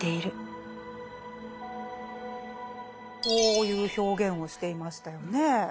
こういう表現をしていましたよね。